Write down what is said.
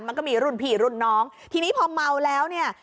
มันก็มีรุ่นพี่รุ่นน้องทีนี้พอเมาแล้วเนี่ย